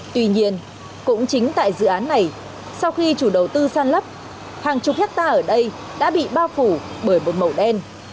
tuy nhiên cũng chính tại dự án này sau khi chủ đầu tư săn lấp hàng chục hectare ở đây đã bị bao phủ bởi một màu đen